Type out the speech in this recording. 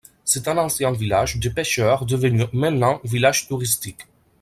C'est un ancien village de pêcheurs devenu maintenant village touristique.